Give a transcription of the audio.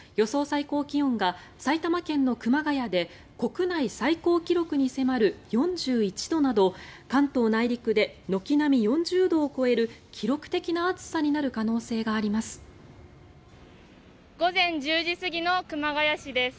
最高気温が埼玉県の熊谷で国内最高記録に迫る４１度など関東内陸で軒並み４０度を超える記録的な暑さになる可能性があります。